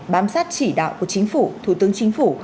bám sát chỉ đạo của chính phủ thủ tướng chính phủ